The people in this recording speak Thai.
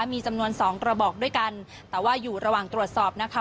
มีจำนวนสองกระบอกด้วยกันแต่ว่าอยู่ระหว่างตรวจสอบนะคะ